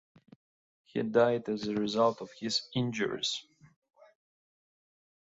He died as a result of his injuries.